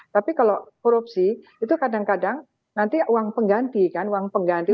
tapi kalau korupsi itu kadang kadang nanti uang pengganti kan uang pengganti